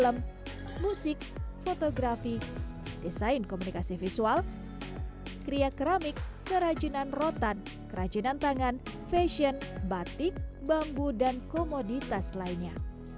film musik fotografi desain komunikasi visual kria keramik kerajinan rotan kerajinan tangan fashion batik bambu dan komoditas lainnya